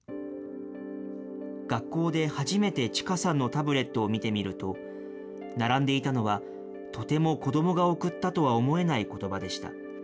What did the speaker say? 学校で初めてちかさんのタブレットを見てみると、並んでいたのは、とても子どもが送ったとは思えないことばでした。